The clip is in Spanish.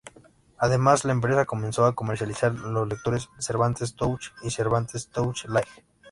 Además, la empresa comenzó a comercializar los lectores Cervantes Touch y Cervantes Touch light.